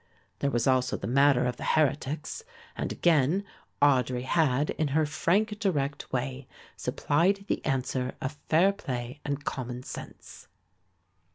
There was also the matter of the heretics and again Audry had in her frank direct way supplied the answer of fair play and common sense.